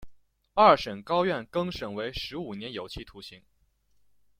二审高院更审为十五年有期徒刑。